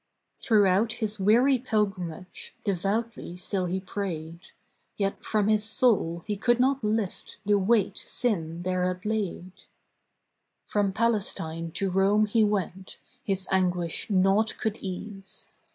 Throughout his weary pilgrimage Devoutly still he prayed. Yet from his soul he could not lift The weight sin there had laid. From Palestine to Rome he went, His anguish naught could ease.